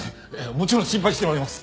もちろん心配しております。